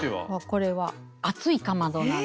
これは「あついかまど」なんです。